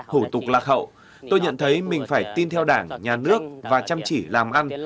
hủ tục lạc hậu tôi nhận thấy mình phải tin theo đảng nhà nước và chăm chỉ làm ăn